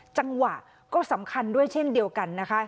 จังหวะก็สำคัญด้วยเช่นเดียวกันนะคะ